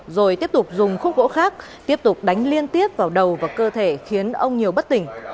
rồi tiếp tục dùng khúc gỗ khác tiếp tục đánh liên tiếp vào đầu và cơ thể khiến ông nhiều bất tỉnh